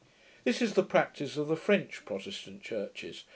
This is the practice of the French Protestant churches.